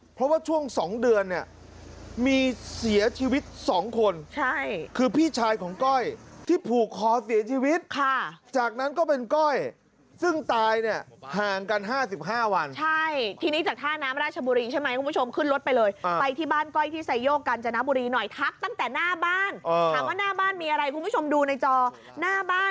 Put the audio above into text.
เพราะว่าช่วง๒เดือนเนี่ยมีเสียชีวิต๒คนใช่คือพี่ชายของก้อยที่ผูกคอเสียชีวิตค่ะจากนั้นก็เป็นก้อยซึ่งตายเนี่ยห่างกัน๕๕วันใช่ทีนี้จากท่าน้ำราชบุรีใช่ไหมคุณผู้ชมขึ้นรถไปเลยไปที่บ้านก้อยที่ไซโยกกาญจนบุรีหน่อยทักตั้งแต่หน้าบ้านถามว่าหน้าบ้านมีอะไรคุณผู้ชมดูในจอหน้าบ้าน